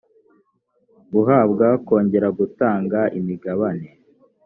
guhabwa kongera gutanga imigabane